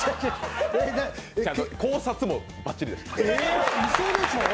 考察もバッチリでした。